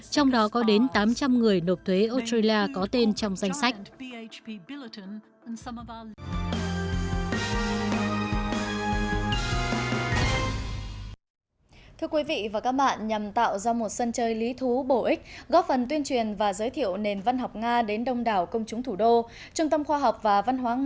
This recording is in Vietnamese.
trong đó có đến tám trăm linh người nộp thuế australia có tên trong danh sách